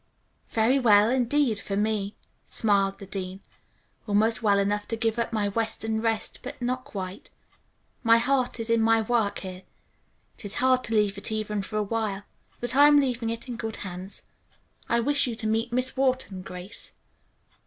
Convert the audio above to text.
"Very well, indeed, for me," smiled the dean. "Almost well enough to give up my western rest, but not quite. My heart is in my work here. It is hard to leave it even for a little while. But I am leaving it in good hands. I wish you to meet Miss Wharton, Grace."